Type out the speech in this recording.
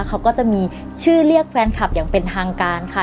เขาก็จะมีชื่อเรียกแฟนคลับอย่างเป็นทางการค่ะ